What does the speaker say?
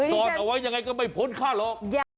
ซ่อนเอาไว้ยังไงก็ไม่พ้นค่าหรอก